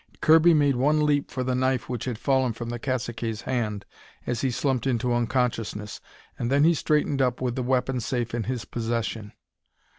Kirby made one leap for the knife which had fallen from the cacique's hand as he slumped into unconsciousness, and then he straightened up with the weapon safe in his possession.